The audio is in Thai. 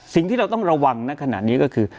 สิ่งที่เราต้องระวังนะขณะนี้ก็คือ